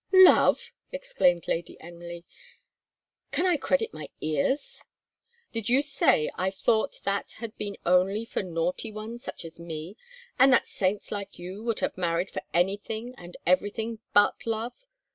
"Love!" exclaimed Lady Emily; "can I credit my ears? Love! did you say I thought that had only been for naughty ones, such as me; and that saints like you would have married for anything and everything but love!